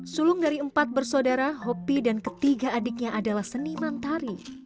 sulung dari empat bersaudara hopi dan ketiga adiknya adalah seniman tari